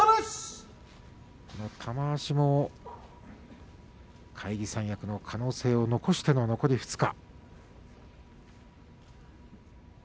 玉鷲も返り三役の可能性を残しての残り２日。